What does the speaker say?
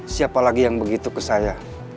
siapa lagi yang begitu ke saya